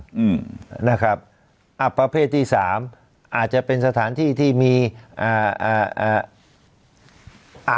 อืมนะครับอ่าประเภทที่สามอาจจะเป็นสถานที่ที่มีอ่าอ่าอ่า